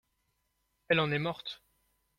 Elle en est morte.